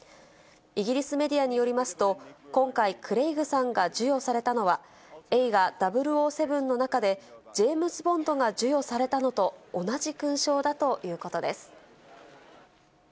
イギリスメディアによりますと、今回、クレイグさんが授与されたのは、映画、００７の中で、ジェームズ・ボンドが授与されたのと同じ勲章だということです。